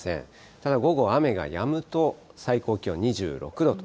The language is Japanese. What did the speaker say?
ただ、午後、雨がやむと最高気温２６度と。